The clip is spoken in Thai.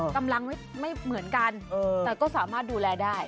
กำลังไม่เหมือนกันแต่ก็สามารถดูแลได้